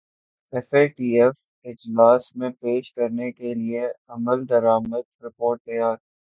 F A T F اجلاس میں پیش کرنے کیلئے عملدرامد رپورٹ تیار